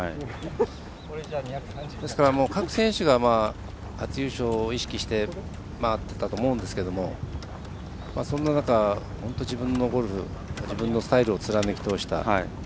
各選手が初優勝を意識して回っていたと思うんですけどそんな中、自分のゴルフ自分のスタイルを貫き通した。